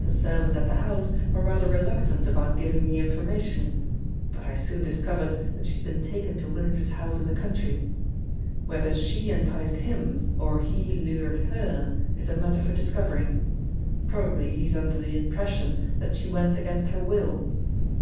The servants at the house were rather reluctant about giving me information, but I soon discovered that she had been taken to Willings's house in the country. Whether she enticed him or he lured her is a matter for discovery. Probably he is under the impression that she went against her will.